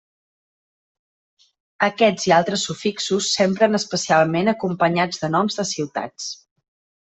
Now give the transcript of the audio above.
Aquests i altres sufixos s'empren especialment acompanyats de noms de ciutats.